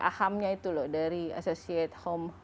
pahamnya itu loh dari associate home